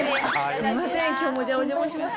すみません、きょうもじゃあ、お邪魔します。